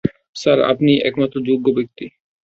Sir, আপনিই একমাত্র যোগ্য ব্যাক্তি।